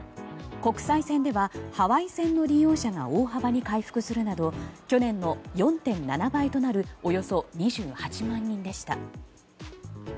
国際線ではハワイ線の利用者が大幅に回復するなど去年の４．７倍となるおよそ２８万人でした。